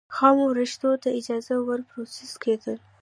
خامو ورېښمو ته اجازه وه پروسس کېدل.